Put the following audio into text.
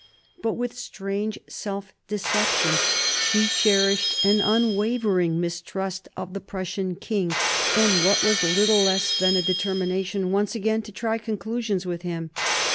But with strange self deception she cherished an unwavering mistrust of the Prussian king, and what was little less than a determination once again to try conclusions with him.